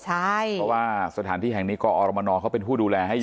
เพราะว่าสถานที่แห่งนี้ก็อรมนเขาเป็นผู้ดูแลให้อยู่